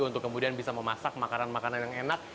untuk kemudian bisa memasak makanan makanan yang enak